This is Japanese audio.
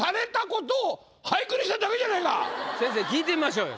俺が先生に聞いてみましょうよ。